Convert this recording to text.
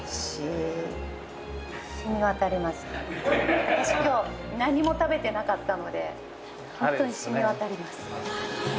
私今日何も食べてなかったので本当に染み渡ります。